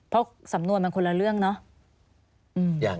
เพราะสำนวนมันคนละเรื่องเนาะ